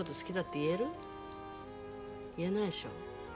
言えないでしょ